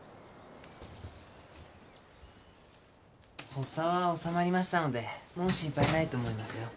発作は治まりましたのでもう心配ないと思いますよ。